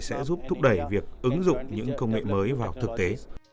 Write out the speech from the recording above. sẽ giúp thúc đẩy việc ứng dụng những công nghệ mới vào thực tế